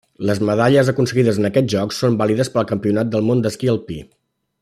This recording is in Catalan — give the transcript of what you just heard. Les medalles aconseguides en aquests Jocs són vàlides per al Campionat del Món d'esquí alpí.